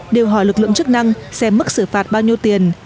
điều hỏi lực lượng chức năng xem mức xử phạt bao nhiêu tiền